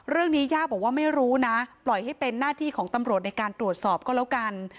ย่าบอกว่าไม่รู้นะปล่อยให้เป็นหน้าที่ของตำรวจในการตรวจสอบก็แล้วกัน